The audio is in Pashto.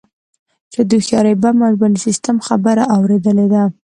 چا د هوښیار بم او ژبني سیستم خبره اوریدلې ده